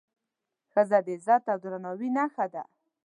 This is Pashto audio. ښځه د عزت او درناوي نښه ده.